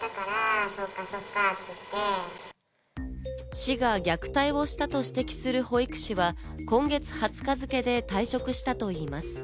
市が虐待をしたと指摘する保育士は、今月２０日付で退職したといいます。